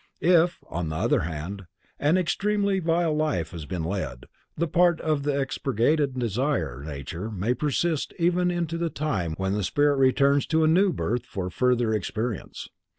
If, on the other hand, an extremely vile life has been led, the part of the expurgated desire nature may persist even to the time when the spirit returns to a new birth for further experience.